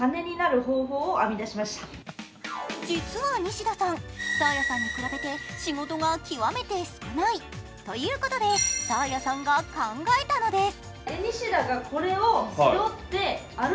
実はニシダさん、サーヤさんに比べて仕事が極めて少ない。ということで、サーヤさんが考えたのです。